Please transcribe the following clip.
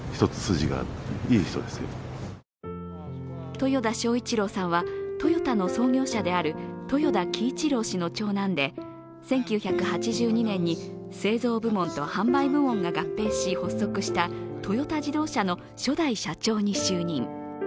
豊田章一郎さんはトヨタの創業者である豊田喜一郎氏の長男で１９８２年に製造部門と販売部門が合併し発足したトヨタ自動車の初代社長に就任。